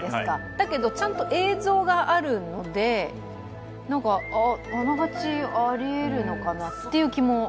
だけどちゃんと映像があるので、なんかあながちありえるのかなっていう気も。